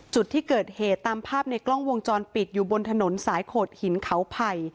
จุดที่เกิดเหตุตามภาพในกล้องวงจรปิดอยู่บนถนนสายโขดหินเขาไผ่